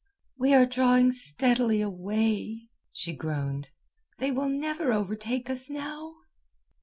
"We are drawing steadily away," she groaned. "They will never overtake us now."